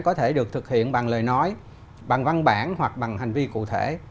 có thể được thực hiện bằng lời nói bằng văn bản hoặc bằng hành vi cụ thể